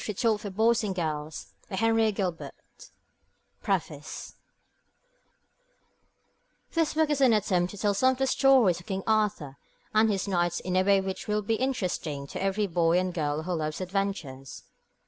_ Printed in the United States of America PREFACE This book is an attempt to tell some of the stories of King Arthur and his Knights in a way which will be interesting to every boy and girl who loves adventures.